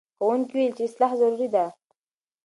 ښوونکي وویل چې اصلاح ضروري ده.